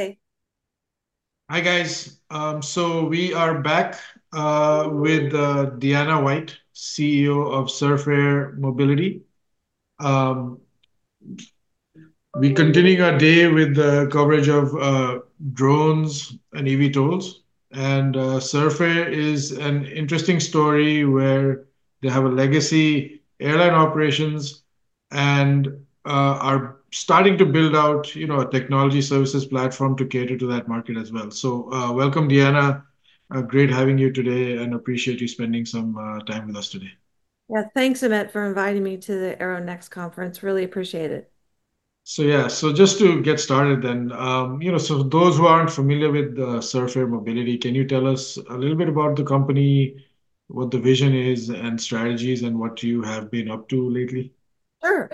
Hey. Hi guys. So we are back with Deanna White, CEO of Surf Air Mobility. We continue our day with the coverage of drones and eVTOLs. And Surf Air is an interesting story where they have a legacy airline operations and are starting to build out a technology services platform to cater to that market as well. So welcome, Deanna. Great having you today and appreciate you spending some time with us today. Yeah, thanks for inviting me to the AeroNext Conference. Really appreciate it. So yeah, so just to get started then, so those who aren't familiar with Surf Air Mobility, can you tell us a little bit about the company, what the vision is and strategies, and what you have been up to lately? Sure.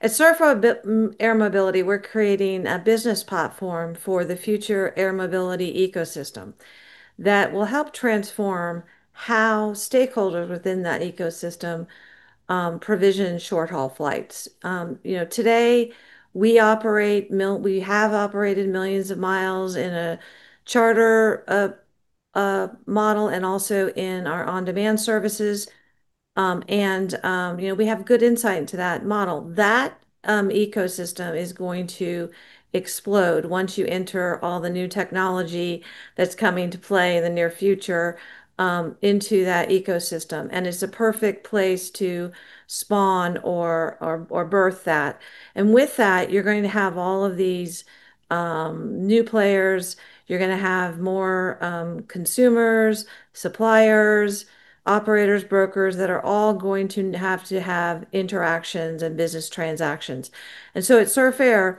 At Surf Air Mobility, we're creating a business platform for the future air mobility ecosystem that will help transform how stakeholders within that ecosystem provision short-haul flights. Today, we have operated millions of miles in a charter model and also in our on-demand services, and we have good insight into that model. That ecosystem is going to explode once you enter all the new technology that's coming to play in the near future into that ecosystem, and it's a perfect place to spawn or birth that, and with that, you're going to have all of these new players. You're going to have more consumers, suppliers, operators, brokers that are all going to have to have interactions and business transactions, and so at Surf Air,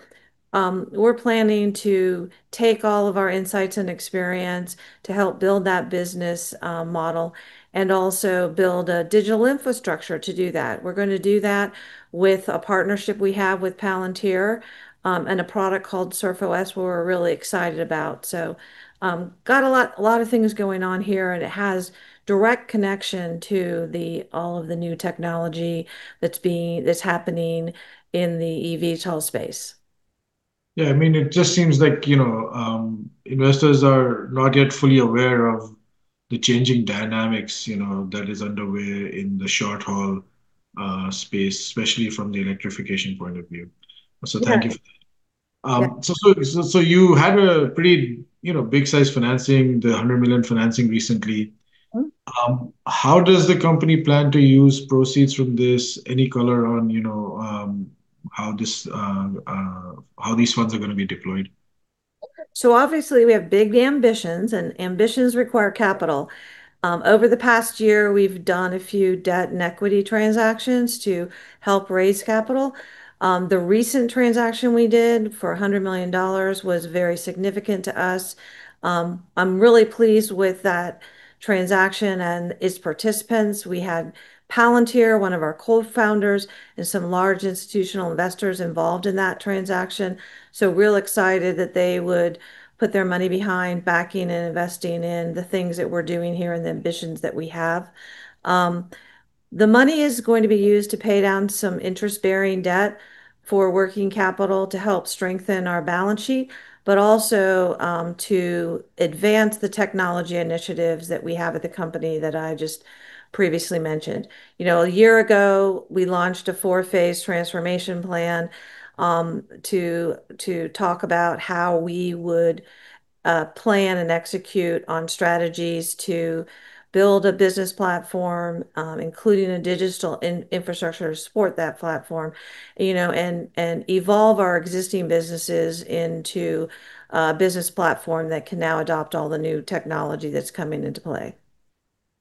we're planning to take all of our insights and experience to help build that business model and also build a digital infrastructure to do that. We're going to do that with a partnership we have with Palantir and a product called SurfOS, we're really excited about. So got a lot of things going on here, and it has direct connection to all of the new technology that's happening in the eVTOL space. Yeah, I mean, it just seems like investors are not yet fully aware of the changing dynamics that is underway in the short-haul space, especially from the electrification point of view. So thank you for that. So you had a pretty big size financing, the $100 million financing recently. How does the company plan to use proceeds from this? Any color on how these funds are going to be deployed? So obviously, we have big ambitions, and ambitions require capital. Over the past year, we've done a few debt and equity transactions to help raise capital. The recent transaction we did for $100 million was very significant to us. I'm really pleased with that transaction and its participants. We had Palantir, one of our co-founders, and some large institutional investors involved in that transaction. So real excited that they would put their money behind, backing and investing in the things that we're doing here and the ambitions that we have. The money is going to be used to pay down some interest-bearing debt for working capital to help strengthen our balance sheet, but also to advance the technology initiatives that we have at the company that I just previously mentioned. A year ago, we launched a four-phase transformation plan to talk about how we would plan and execute on strategies to build a business platform, including a digital infrastructure to support that platform and evolve our existing businesses into a business platform that can now adopt all the new technology that's coming into play.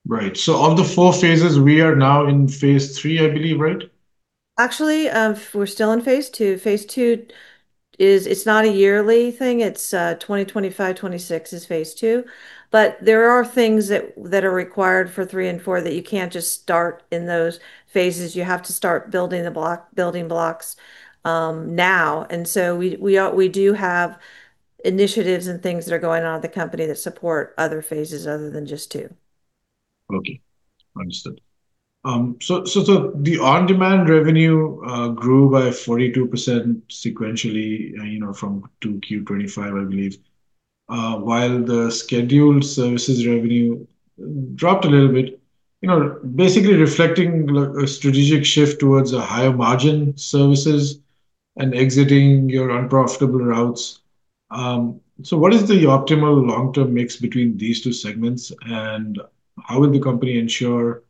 Right. So of the four phases, we are now in Phase 3, I believe, right? Actually, we're still in Phase 2. Phase 2 is, it's not a yearly thing. It's 2025, 2026 is Phase 2. But there are things that are required for three and four that you can't just start in those phases. You have to start building the blocks now. And so we do have initiatives and things that are going on at the company that support other phases other than just two. Okay. Understood. So the on-demand revenue grew by 42% sequentially from Q2 2025, I believe, while the scheduled services revenue dropped a little bit, basically reflecting a strategic shift towards a higher margin services and exiting your unprofitable routes. So what is the optimal long-term mix between these two segments? And how will the company ensure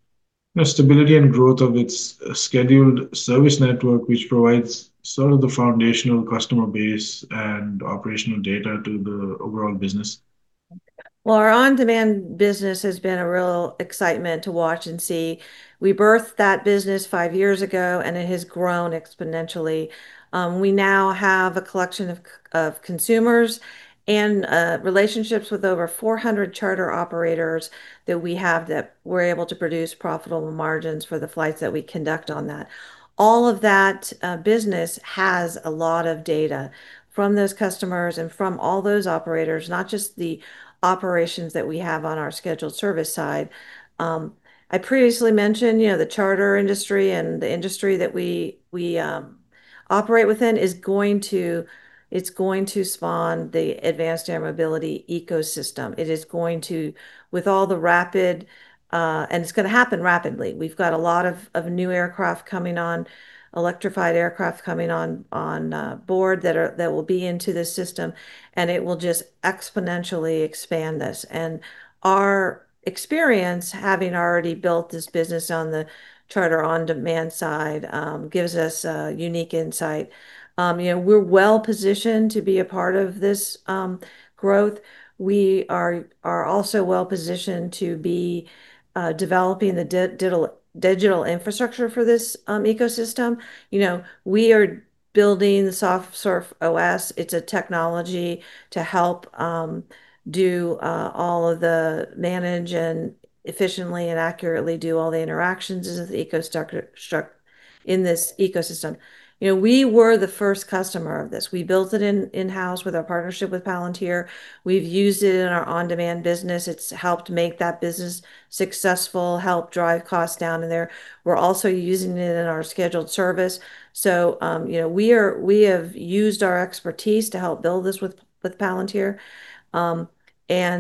stability and growth of its scheduled service network, which provides sort of the foundational customer base and operational data to the overall business? Our on-demand business has been a real excitement to watch and see. We birthed that business five years ago, and it has grown exponentially. We now have a collection of consumers and relationships with over 400 charter operators that we have that we're able to produce profitable margins for the flights that we conduct on that. All of that business has a lot of data from those customers and from all those operators, not just the operations that we have on our scheduled service side. I previously mentioned the charter industry and the industry that we operate within is going to spawn the advanced air mobility ecosystem. It is going to happen rapidly. We've got a lot of new aircraft coming on, electrified aircraft coming on board that will be into this system, and it will just exponentially expand this, and our experience, having already built this business on the charter on-demand side, gives us a unique insight. We're well positioned to be a part of this growth. We are also well positioned to be developing the digital infrastructure for this ecosystem. We are building SurfOS. It's a technology to help do all of the management and efficiently and accurately do all the interactions in this ecosystem. We were the first customer of this. We built it in-house with our partnership with Palantir. We've used it in our on-demand business. It's helped make that business successful, helped drive costs down in there. We're also using it in our scheduled service. So we have used our expertise to help build this with Palantir. And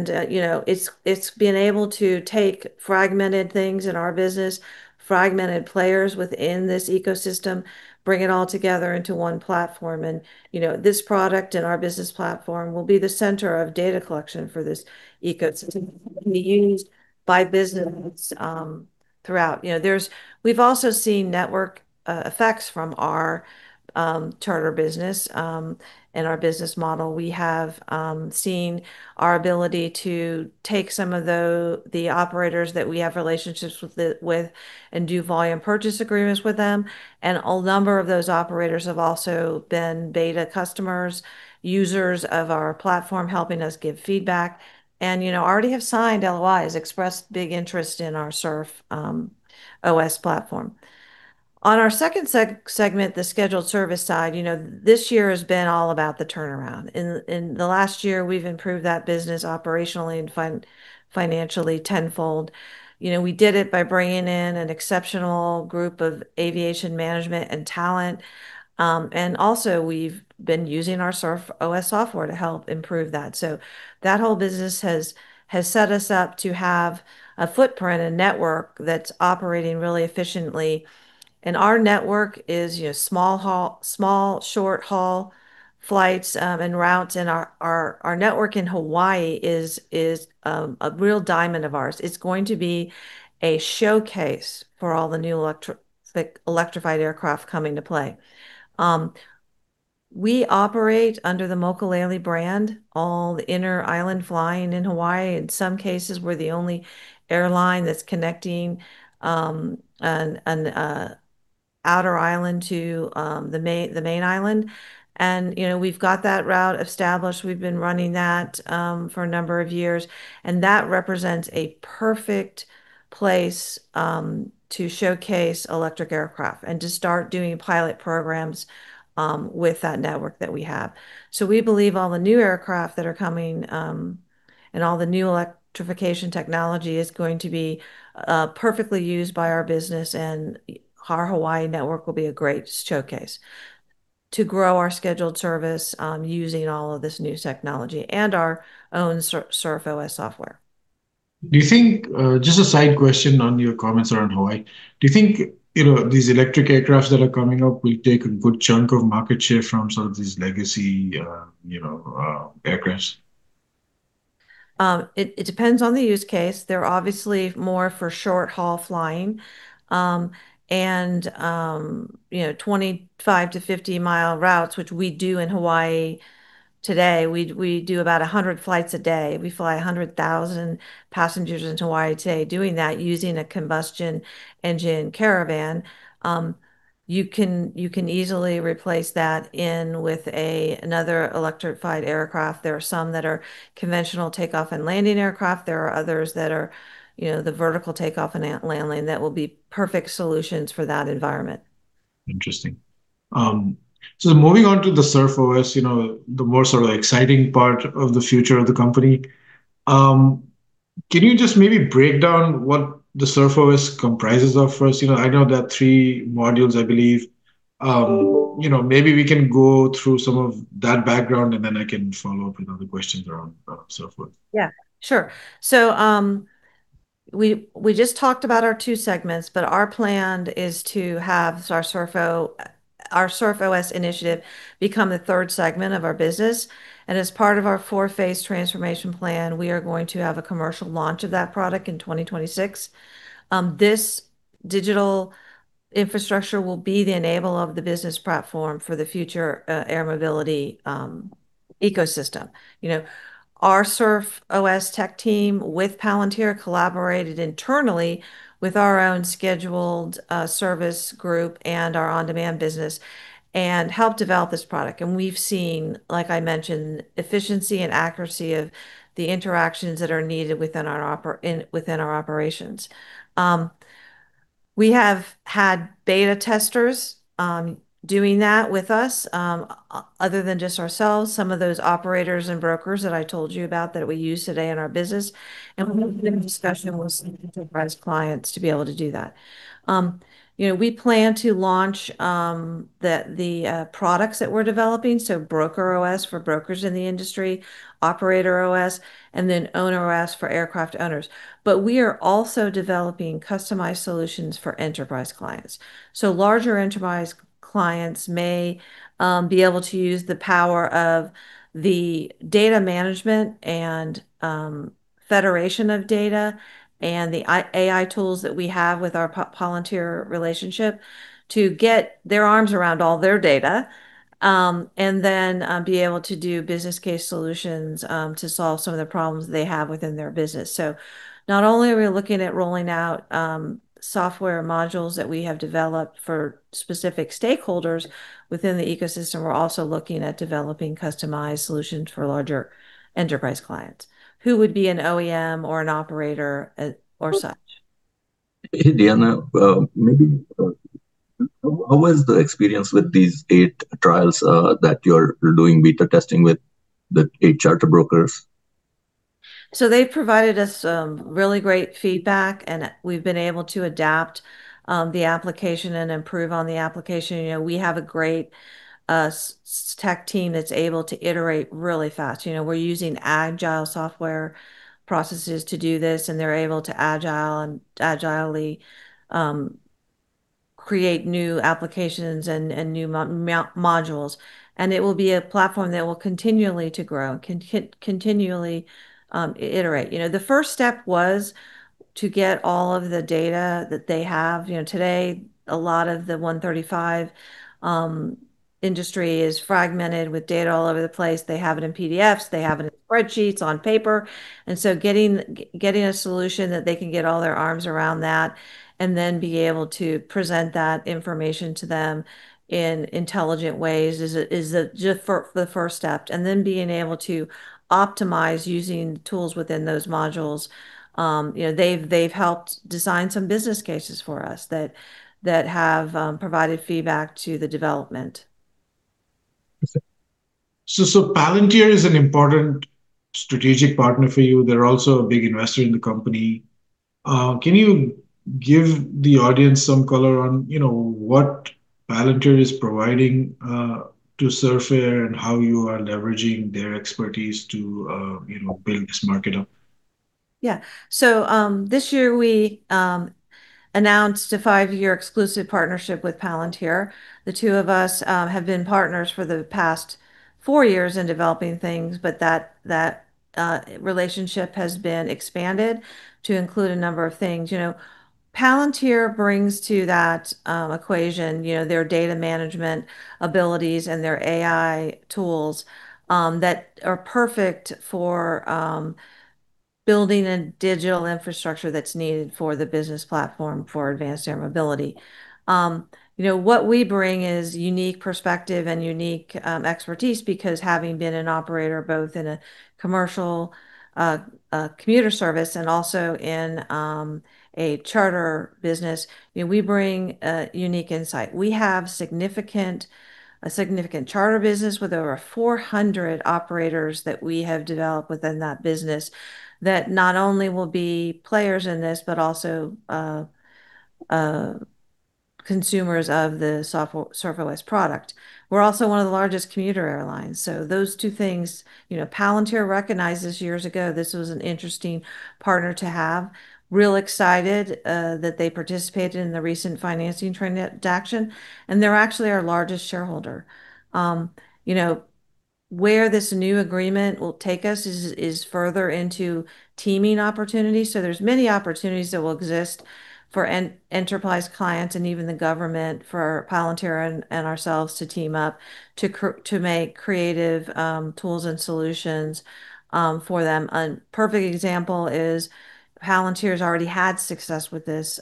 it's been able to take fragmented things in our business, fragmented players within this ecosystem, bring it all together into one platform. And this product and our business platform will be the center of data collection for this ecosystem to be used by businesses throughout. We've also seen network effects from our charter business and our business model. We have seen our ability to take some of the operators that we have relationships with and do volume purchase agreements with them. And a number of those operators have also been beta customers, users of our platform, helping us give feedback and already have signed LOIs, expressed big interest in our SurfOS platform. On our second segment, the scheduled service side, this year has been all about the turnaround. In the last year, we've improved that business operationally and financially tenfold. We did it by bringing in an exceptional group of aviation management and talent. And also, we've been using our SurfOS software to help improve that. So that whole business has set us up to have a footprint, a network that's operating really efficiently. And our network is small, short-haul flights and routes. And our network in Hawaii is a real diamond of ours. It's going to be a showcase for all the new electrified aircraft coming to play. We operate under the Mokulele brand, all the inter-island flying in Hawaii. In some cases, we're the only airline that's connecting an outer island to the main island. And we've got that route established. We've been running that for a number of years. And that represents a perfect place to showcase electric aircraft and to start doing pilot programs with that network that we have. So we believe all the new aircraft that are coming and all the new electrification technology is going to be perfectly used by our business. And our Hawaii network will be a great showcase to grow our scheduled service using all of this new technology and our own SurfOS software. Do you think, just a side question on your comments around Hawaii, do you think these electric aircraft that are coming up will take a good chunk of market share from some of these legacy aircraft? It depends on the use case. They're obviously more for short-haul flying and 25 to 50-mile routes, which we do in Hawaii today. We do about 100 flights a day. We fly 100,000 passengers in Hawaii today doing that using a combustion engine Caravan. You can easily replace that in with another electrified aircraft. There are some that are conventional takeoff and landing aircraft. There are others that are the vertical takeoff and landing that will be perfect solutions for that environment. Interesting. So moving on to the SurfOS, the more sort of exciting part of the future of the company. Can you just maybe break down what the SurfOS comprises of first? I know there are three modules, I believe. Maybe we can go through some of that background, and then I can follow up with other questions around SurfOS. Yeah, sure. So we just talked about our two segments, but our plan is to have our SurfOS initiative become the third segment of our business. And as part of our four-phase transformation plan, we are going to have a commercial launch of that product in 2026. This digital infrastructure will be the enabler of the business platform for the future air mobility ecosystem. Our SurfOS tech team with Palantir collaborated internally with our own scheduled service group and our on-demand business and helped develop this product. And we've seen, like I mentioned, efficiency and accuracy of the interactions that are needed within our operations. We have had beta testers doing that with us, other than just ourselves, some of those operators and brokers that I told you about that we use today in our business. And we've been in discussion with some enterprise clients to be able to do that. We plan to launch the products that we're developing, so BrokerOS for brokers in the industry, OperatorOS, and then OwnerOS for aircraft owners. But we are also developing customized solutions for enterprise clients. So larger enterprise clients may be able to use the power of the data management and federation of data and the AI tools that we have with our Palantir relationship to get their arms around all their data and then be able to do business case solutions to solve some of the problems they have within their business. So not only are we looking at rolling out software modules that we have developed for specific stakeholders within the ecosystem, we're also looking at developing customized solutions for larger enterprise clients who would be an OEM or an operator or such. Deanna, maybe how was the experience with these eight trials that you're doing beta testing with the eight charter brokers? So they've provided us really great feedback, and we've been able to adapt the application and improve on the application. We have a great tech team that's able to iterate really fast. We're using agile software processes to do this, and they're able to agile and agilely create new applications and new modules, and it will be a platform that will continually grow, continually iterate. The first step was to get all of the data that they have. Today, a lot of the 135 industry is fragmented with data all over the place. They have it in PDFs. They have it in spreadsheets on paper, and so getting a solution that they can get all their arms around that and then be able to present that information to them in intelligent ways is just the first step, and then being able to optimize using tools within those modules. They've helped design some business cases for us that have provided feedback to the development. So Palantir is an important strategic partner for you. They're also a big investor in the company. Can you give the audience some color on what Palantir is providing to Surf Air and how you are leveraging their expertise to build this market up? Yeah, so this year, we announced a five-year exclusive partnership with Palantir. The two of us have been partners for the past four years in developing things, but that relationship has been expanded to include a number of things. Palantir brings to that equation their data management abilities and their AI tools that are perfect for building a digital infrastructure that's needed for the business platform for advanced air mobility. What we bring is unique perspective and unique expertise because having been an operator both in a commercial commuter service and also in a charter business, we bring unique insight. We have a significant charter business with over 400 operators that we have developed within that business that not only will be players in this, but also consumers of the SurfOS product. We're also one of the largest commuter airlines, so those two things, Palantir recognized this years ago. This was an interesting partner to have. Real excited that they participated in the recent financing transaction, and they're actually our largest shareholder. Where this new agreement will take us is further into teaming opportunities, so there's many opportunities that will exist for enterprise clients and even the government for Palantir and ourselves to team up to make creative tools and solutions for them. A perfect example is Palantir has already had success with this,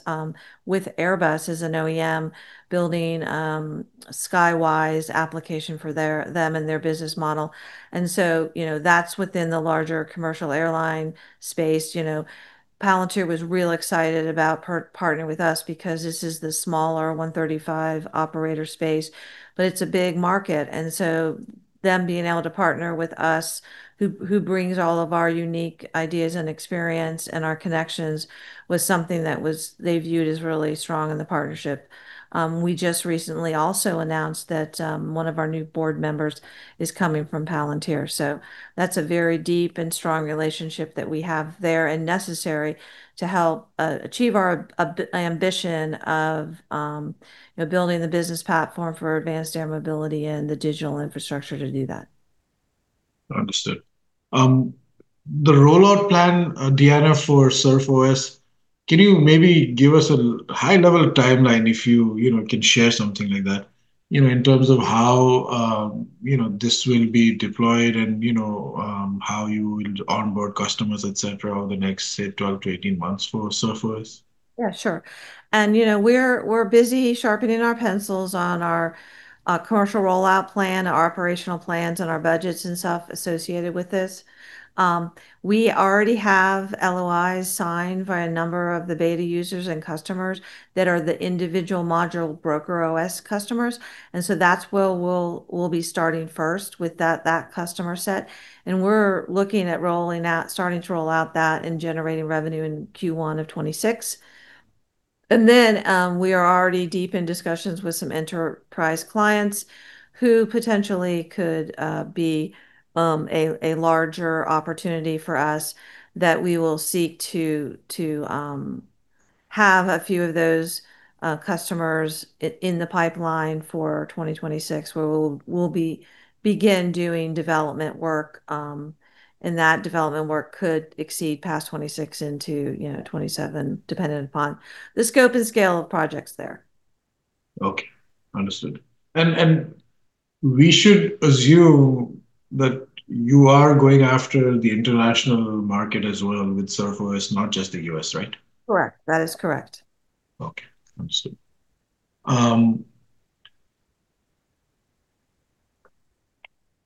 with Airbus as an OEM building Skywise application for them and their business model, and so that's within the larger commercial airline space. Palantir was real excited about partnering with us because this is the smaller 135 operator space, but it's a big market. And so them being able to partner with us, who brings all of our unique ideas and experience and our connections, was something that they viewed as really strong in the partnership. We just recently also announced that one of our new board members is coming from Palantir. So that's a very deep and strong relationship that we have there and necessary to help achieve our ambition of building the business platform for advanced air mobility and the digital infrastructure to do that. Understood. The rollout plan, Deanna, for SurfOS, can you maybe give us a high-level timeline if you can share something like that in terms of how this will be deployed and how you will onboard customers, etc., over the next, say, 12 to 18 months for SurfOS? Yeah, sure. And we're busy sharpening our pencils on our commercial rollout plan, our operational plans, and our budgets and stuff associated with this. We already have LOIs signed by a number of the beta users and customers that are the individual module BrokerOS customers. And so that's where we'll be starting first with that customer set. And we're looking at starting to roll out that and generating revenue in Q1 of 2026. And then we are already deep in discussions with some enterprise clients who potentially could be a larger opportunity for us that we will seek to have a few of those customers in the pipeline for 2026, where we'll begin doing development work. And that development work could exceed past 2026 into 2027, depending upon the scope and scale of projects there. Okay. Understood, and we should assume that you are going after the international market as well with SurfOS, not just the U.S., right? Correct. That is correct. Okay. Understood.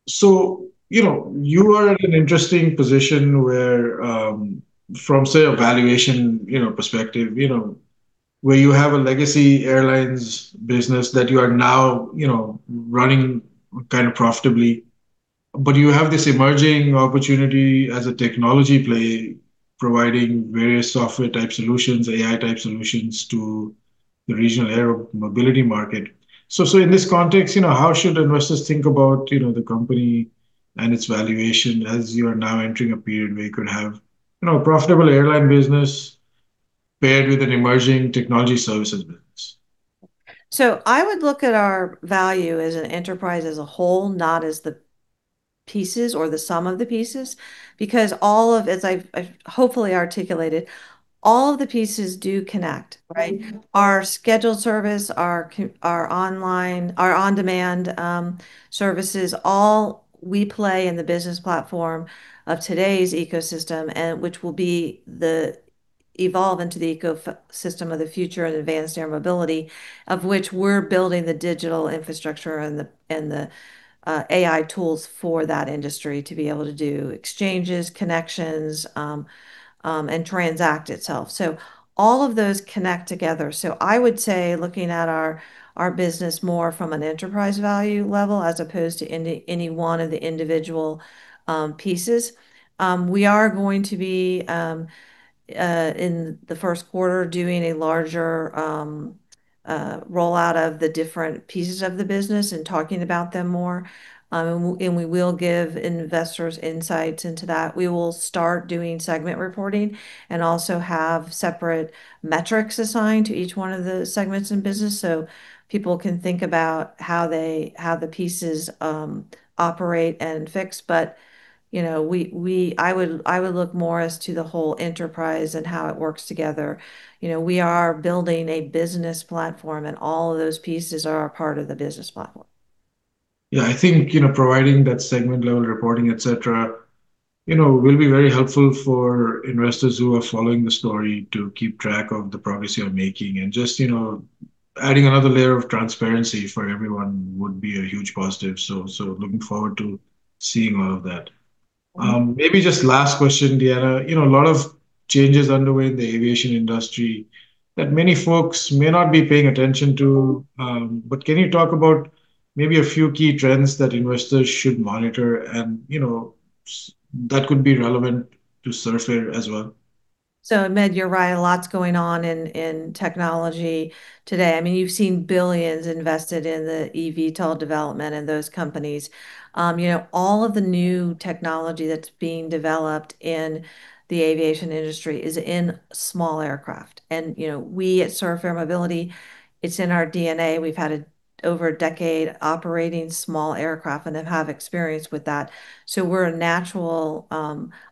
So you are in an interesting position where, from, say, a valuation perspective, where you have a legacy airlines business that you are now running kind of profitably, but you have this emerging opportunity as a technology play providing various software-type solutions, AI-type solutions to the regional air mobility market. So in this context, how should investors think about the company and its valuation as you are now entering a period where you could have a profitable airline business paired with an emerging technology services business? So I would look at our value as an enterprise as a whole, not as the pieces or the sum of the pieces, because all of, as I've hopefully articulated, all of the pieces do connect, right? Our scheduled service, our on-demand services, all we play in the business platform of today's ecosystem, which will evolve into the ecosystem of the future and advanced air mobility, of which we're building the digital infrastructure and the AI tools for that industry to be able to do exchanges, connections, and transact itself. So all of those connect together. So I would say, looking at our business more from an enterprise value level as opposed to any one of the individual pieces, we are going to be, in the first quarter, doing a larger rollout of the different pieces of the business and talking about them more. And we will give investors insights into that. We will start doing segment reporting and also have separate metrics assigned to each one of the segments in business so people can think about how the pieces operate and fix. But I would look more as to the whole enterprise and how it works together. We are building a business platform, and all of those pieces are a part of the business platform. Yeah. I think providing that segment-level reporting, etc., will be very helpful for investors who are following the story to keep track of the progress you are making, and just adding another layer of transparency for everyone would be a huge positive, so looking forward to seeing all of that. Maybe just last question, Deanna. A lot of changes underway in the aviation industry that many folks may not be paying attention to, but can you talk about maybe a few key trends that investors should monitor, and that could be relevant to Surf Air as well? So Amit, you're right. A lot's going on in technology today. I mean, you've seen billions invested in the eVTOL development and those companies. All of the new technology that's being developed in the aviation industry is in small aircraft. And we at Surf Air Mobility, it's in our DNA. We've had over a decade operating small aircraft, and they have experience with that. So we're a natural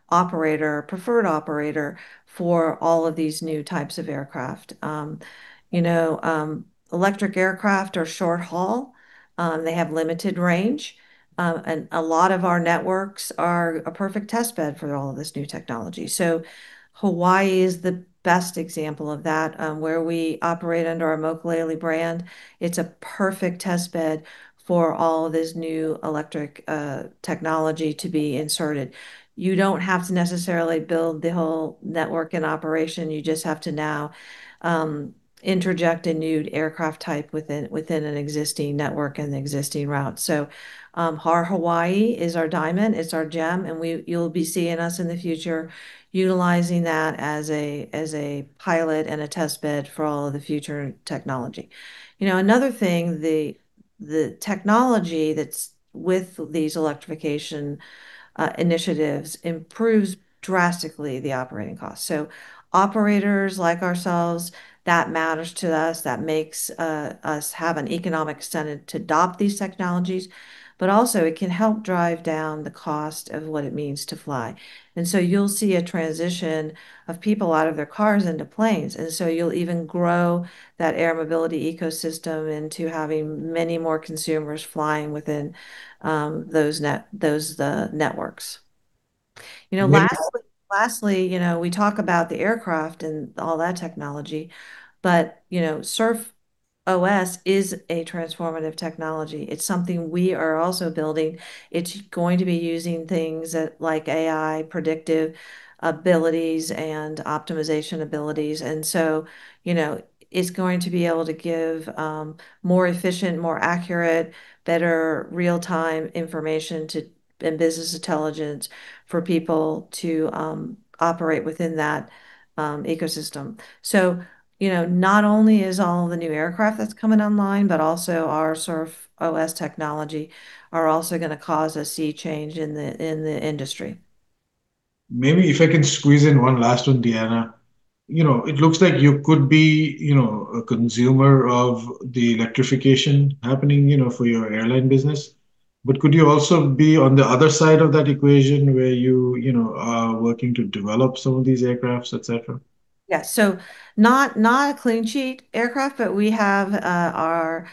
operator, preferred operator for all of these new types of aircraft. Electric aircraft are short-haul. They have limited range. And a lot of our networks are a perfect testbed for all of this new technology. So Hawaii is the best example of that, where we operate under our Mokulele brand. It's a perfect testbed for all of this new electric technology to be inserted. You don't have to necessarily build the whole network and operation. You just have to now interject a new aircraft type within an existing network and the existing route, so Hawaii is our diamond. It's our gem, and you'll be seeing us in the future utilizing that as a pilot and a testbed for all of the future technology. Another thing, the technology that's with these electrification initiatives improves drastically the operating costs, so operators like ourselves, that matters to us. That makes us have an economic incentive to adopt these technologies, but also, it can help drive down the cost of what it means to fly, and so you'll see a transition of people out of their cars into planes, and so you'll even grow that air mobility ecosystem into having many more consumers flying within those networks. Lastly, we talk about the aircraft and all that technology, but SurfOS is a transformative technology. It's something we are also building. It's going to be using things like AI predictive abilities and optimization abilities. And so it's going to be able to give more efficient, more accurate, better real-time information and business intelligence for people to operate within that ecosystem. So not only is all of the new aircraft that's coming online, but also our SurfOS technology are also going to cause a sea change in the industry. Maybe if I can squeeze in one last one, Deanna. It looks like you could be a consumer of the electrification happening for your airline business. But could you also be on the other side of that equation where you are working to develop some of these aircraft, etc.? Yeah, so not a clean sheet aircraft, but we have our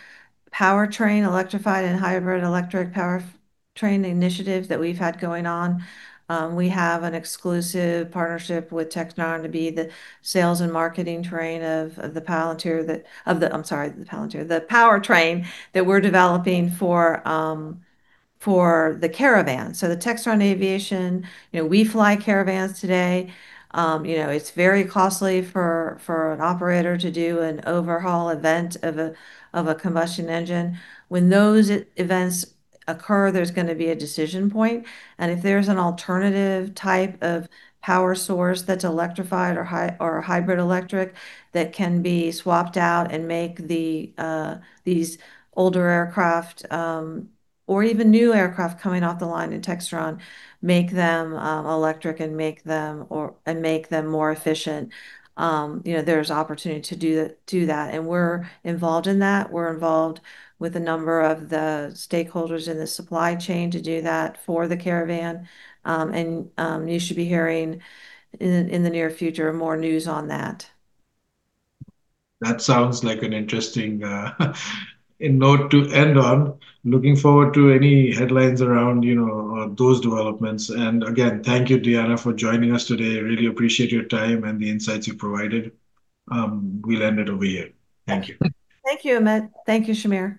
powertrain electrified and hybrid electric powertrain initiative that we've had going on. We have an exclusive partnership with Textron to be the sales and marketing train of the Palantir of the, I'm sorry, the Palantir, the powertrain that we're developing for the Caravan, so the Textron Aviation, we fly Caravans today. It's very costly for an operator to do an overhaul event of a combustion engine. When those events occur, there's going to be a decision point, and if there's an alternative type of power source that's electrified or hybrid electric that can be swapped out and make these older aircraft or even new aircraft coming off the line in Textron, make them electric and make them more efficient, there's opportunity to do that, and we're involved in that. We're involved with a number of the stakeholders in the supply chain to do that for the Caravan. And you should be hearing in the near future more news on that. That sounds like an interesting note to end on. Looking forward to any headlines around those developments. And again, thank you, Deanna, for joining us today. Really appreciate your time and the insights you provided. We'll end it over here. Thank you. Thank you, Amit. Thank you, Shamir.